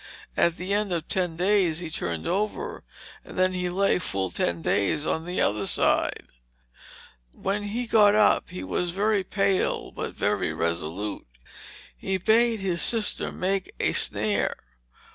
At the end of ten days he turned over, and then he lay full ten days on the other side. When he got up he was very pale, but very resolute too. He bade his sister make a snare.